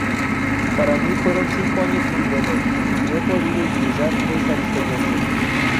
Para mi fueron cinco años muy buenos y he podido utilizar esa experiencia.